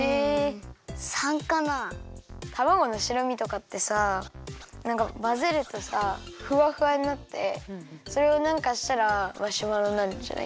たまごの白身とかってさなんかまぜるとさフワフワになってそれをなんかしたらマシュマロになるんじゃない？